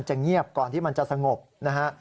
เงียบก่อนที่มันจะสงบนะฮะ